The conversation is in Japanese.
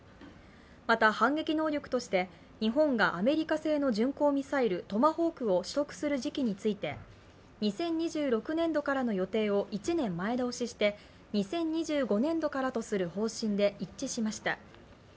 また、反撃能力として日本がアメリカ製の巡航ミサイルトマホークを取得する時期について２０２６年度からの予定を１年前倒しして２０２５年度からとする方針で一致しました。